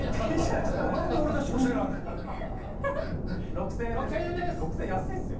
６０００円安いですよ。